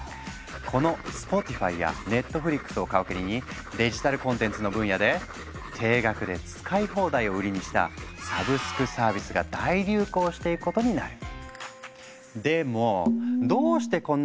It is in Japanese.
この「スポティファイ」や「ネットフリックス」を皮切りにデジタルコンテンツの分野で定額で使い放題を売りにしたサブスクサービスが大流行していくことになる。